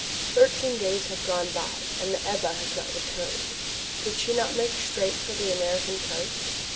Thirteen days have gone by and the Ebba has not returned. Did she then not make straight for the American coast?